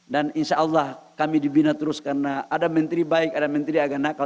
dan insyaallah kami dibina terus karena ada menteri baik ada menteri agak nakal